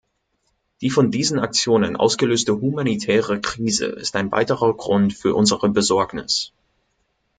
Die von diesen Aktionen ausgelöste humanitäre Krise ist ein weiterer Grund für unsere Besorgnis.